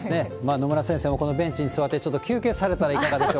野村先生もこのベンチに座ってちょっと休憩されたらいかがでしょ